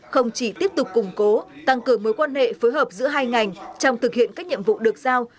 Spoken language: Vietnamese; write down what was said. không chỉ tiếp tục củng cố tăng cường mối quan hệ phối hợp giữa hai ngành trong thực hiện các nhiệm vụ được giao